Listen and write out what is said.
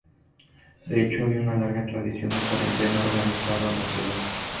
De hecho, había una larga tradición de cuarentena organizado en la ciudad.